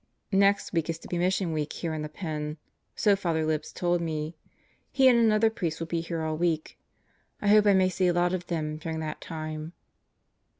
Next week is to be Mission Week here in the pen. So Father Libs told me. He and another priest will be here all week. I hope I may see a lot of them during that time.